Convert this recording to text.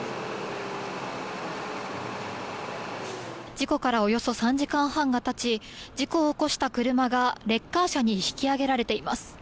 事故からおよそ３時間半が経ち事故を起こした車がレッカー車に引き上げられています。